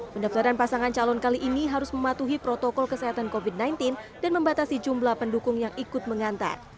pendaftaran pasangan calon kali ini harus mematuhi protokol kesehatan covid sembilan belas dan membatasi jumlah pendukung yang ikut mengantar